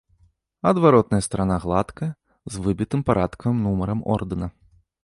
Адваротная старана гладкая, з выбітым парадкавым нумарам ордэна.